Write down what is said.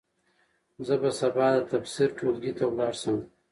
زه به سبا د تفسیر ټولګي ته ولاړ شم.